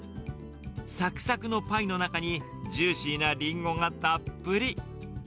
さくさくのパイの中に、ジューシーなリンゴがたっぷり。